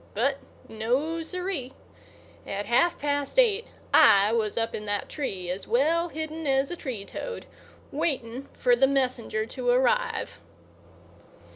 But no, sirree! At half past eight I was up in that tree as well hidden as a tree toad, waiting for the messenger to arrive.